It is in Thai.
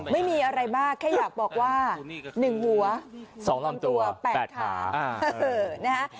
ไม่มีอะไรมากแค่อยากบอกว่า๑หัว๒ลำตัว๘ขานะฮะ